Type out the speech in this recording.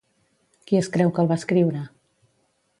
Qui es creu que el va escriure?